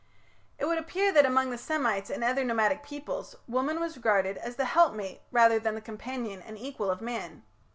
It would appear that among the Semites and other nomadic peoples woman was regarded as the helpmate rather than the companion and equal of man.